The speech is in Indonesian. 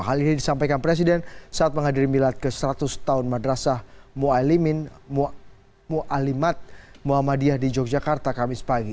hal ini disampaikan presiden saat menghadiri milad ke seratus tahun madrasah mualimat ⁇ muhammadiyah di yogyakarta kamis pagi